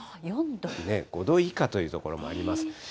５度以下という所もあります。